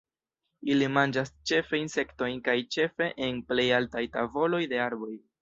Ili manĝas ĉefe insektojn kaj ĉefe en plej altaj tavoloj de arboj.